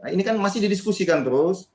ini kan masih didiskusikan terus